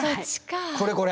これこれ。